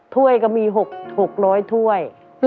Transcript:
ถ้วยก็มี๖๐๐ถ้วย